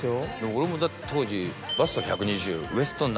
俺もだって当時。